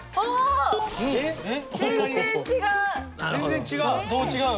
全然違う？